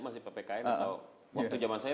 masih ppkm atau waktu zaman saya